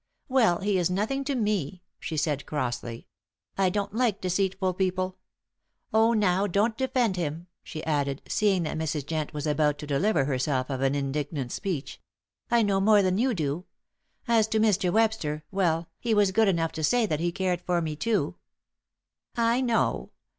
"Well, he is nothing to me," she said, crossly. "I don't like deceitful people. Oh, now, don't defend him," she added, seeing that Mrs. Jent was about to deliver herself of an indignant speech. "I know more than you do. As to Mr. Webster, well, he was good enough to say that he cared for me too." "I know.